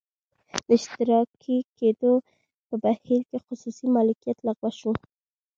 د اشتراکي کېدو په بهیر کې خصوصي مالکیت لغوه شو